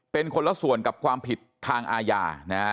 เป็นคนละส่วนกับความผิดทางอาญานะฮะ